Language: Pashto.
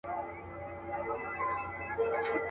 د ګودرونو مازیګر به وو له پېغلو ښکلی.